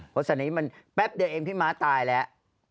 เพราะตอนนี้มันแป๊บเดียวเองพี่ม้าตายแล้ว